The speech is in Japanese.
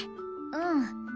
うん。